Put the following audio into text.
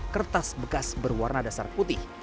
kertas bekas berwarna dasar putih